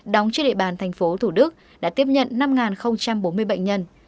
đóng trên địa bàn tp thủ đức đã tiếp nhận năm bốn mươi bệnh nhân